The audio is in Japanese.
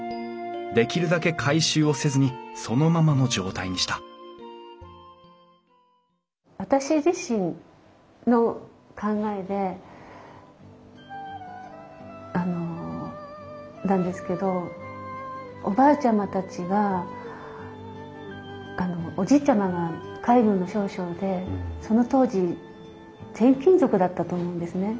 できるだけ改修をせずにそのままの状態にした私自身の考えでなんですけどおばあちゃまたちはあのおじいちゃまが海軍の少将でその当時転勤族だったと思うんですね。